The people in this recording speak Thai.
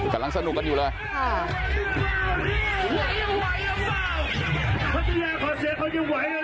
กำลังสนุกกันอยู่เลย